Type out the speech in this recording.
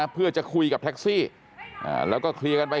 เพื่อจะคุยกับแท็กซี่แล้วก็เคลียร์กันไป